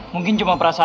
mungkin cuma kebiasaan